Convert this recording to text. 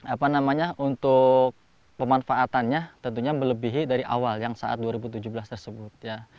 apa namanya untuk pemanfaatannya tentunya melebihi dari awal yang saat dua ribu tujuh belas tersebut ya